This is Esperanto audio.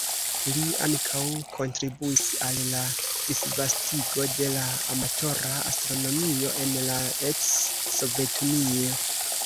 Li ankaŭ kontribuis al la disvastigo de la amatora astronomio en la eks-Sovetunio.